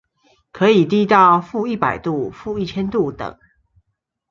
可以低到負一百度、負一千度等